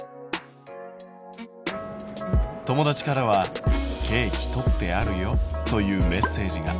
友達からは「ケーキとってあるよ」というメッセージが。